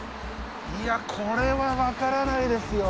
いやこれはわからないですよ。